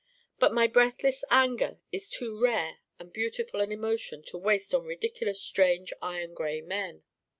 But my breathless anger is too rare and beautiful an emotion to waste on ridiculous strange iron gray men.